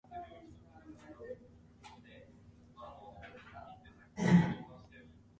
He has performed frequently at the Tanglewood Music Festival with the Boston Symphony Orchestra.